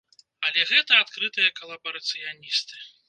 Але гэта адкрытыя калабарацыяністы.